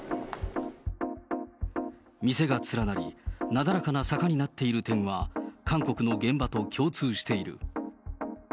店が連なり、なだらかな坂になっている点は、韓国の現場と共通している。